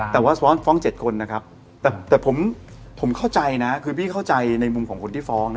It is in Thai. แต่ว่าซ้อนฟ้อง๗คนนะครับแต่ผมเข้าใจนะคือพี่เข้าใจในมุมของคนที่ฟ้องนะ